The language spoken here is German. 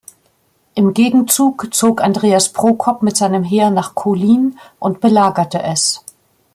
Im Gegenzug zog Andreas Prokop mit seinem Heer nach Kolin und belagerte es.